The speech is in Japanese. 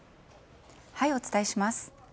お伝えします。